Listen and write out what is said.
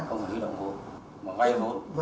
không phải quy động vốn mà vay vốn